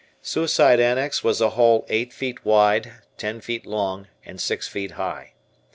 Suicide Annex was a hole eight feet wide, ten feet long, and six feet high.